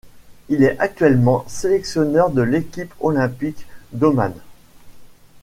Il est actuellement sélectionneur de l'équipe olympique d'Oman.